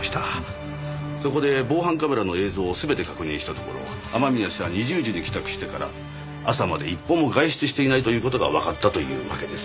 そこで防犯カメラの映像を全て確認したところ雨宮氏は２０時に帰宅してから朝まで一歩も外出していないという事がわかったというわけです。